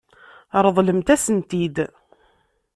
Ṛeḍlemt-asen-t-id.